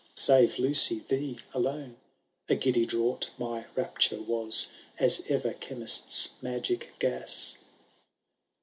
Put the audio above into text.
Save, Lucy, thee alone ! A giddy draught my rapture was. As ever chemist^s magic gas.